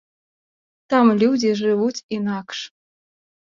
Там людзі жывуць інакш.